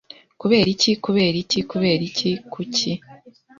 Kubera iki? Kubera iki? Kubera iki? Kuki?